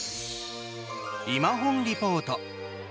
「いまほんリポート」。